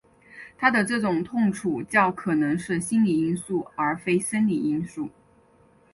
他的这种痛楚较可能是心理因素而非生理因素。